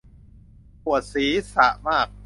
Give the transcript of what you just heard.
ปวดศีรษะมาก